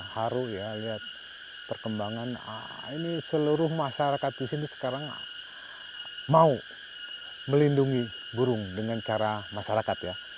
haru ya lihat perkembangan ini seluruh masyarakat di sini sekarang mau melindungi burung dengan cara masyarakat ya